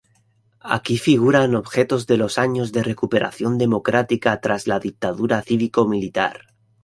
Aquí figuran objetos de los años de recuperación democrática tras la dictadura cívico-militar.